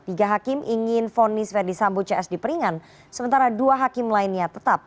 tiga hakim ingin vonis ferdisambo cs diperingan sementara dua hakim lainnya tetap